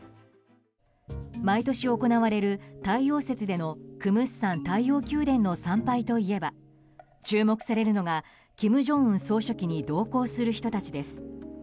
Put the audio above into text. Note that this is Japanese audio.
毎年行われる太陽節でのクムスサン太陽宮殿の参拝といえば注目されるのが金正恩総書記に同行する人たちです。